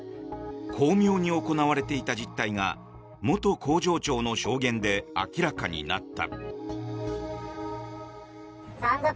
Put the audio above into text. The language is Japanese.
巧妙に行われていた実態が元工場長の証言で明らかになった。